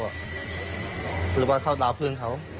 หรือว่าเข้าตาเพื่อนเขา